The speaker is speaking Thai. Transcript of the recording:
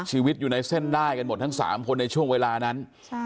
ชีวิตอยู่ในเส้นได้กันหมดทั้ง๓คนในช่วงเวลานั้น